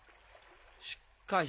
しっかし